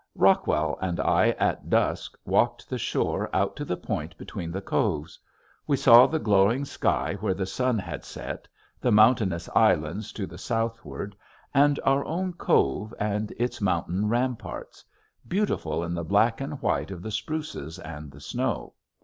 Rockwell and I at dusk walked the shore out to the point between the coves. We saw the glowing sky where the sun had set, the mountainous islands to the southward, and our own cove and its mountain ramparts beautiful in the black and white of the spruces and the snow.